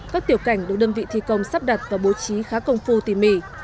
các tiểu cảnh được đơn vị thi công sắp đặt và bố trí khá công phu tỉ mỉ